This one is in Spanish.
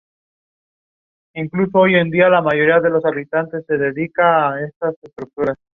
Esto constituía en aquel entonces un enfoque novedoso.